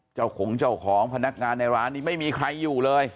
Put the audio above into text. เจ้าของเจ้าของพนักงานในร้านนี้ไม่มีใครอยู่เลย